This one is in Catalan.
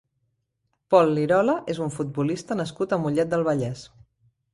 Pol Lirola és un futbolista nascut a Mollet del Vallès.